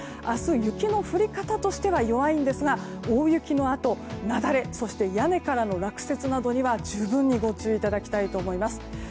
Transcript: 明日、雪の降り方としては弱いんですが大雪のあと、雪崩それから屋根からの落雪などには十分にご注意いただきたいと思います。